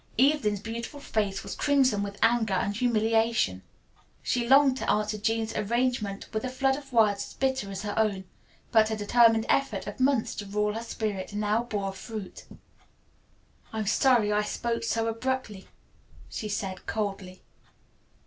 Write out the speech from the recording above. Evelyn's beautiful face was crimson with anger and humiliation. She longed to answer Jean's arraignment with a flood of words as bitter as her own, but her determined effort of months to rule her spirit now bore fruit. "I'm sorry I spoke so abruptly," she said coldly.